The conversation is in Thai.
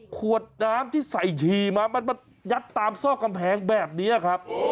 ขวดน้ำที่ใส่ฉี่มามันมายัดตามซอกกำแพงแบบนี้ครับ